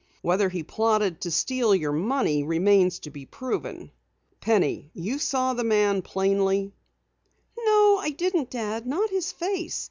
"Whether he plotted to steal your money remains to be proven. Penny, you saw the man plainly?" "No, I didn't, Dad. Not his face.